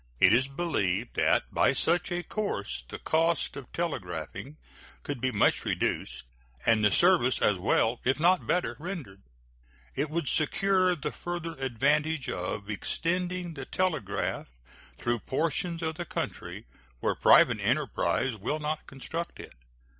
It is believed that by such a course the cost of telegraphing could be much reduced, and the service as well, if not better, rendered. It would secure the further advantage of extending the telegraph through portions of the country where private enterprise will not construct it.